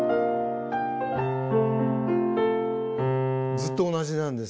ずっと同じなんです。